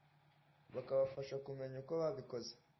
bakabafasha kumenya uko babikoze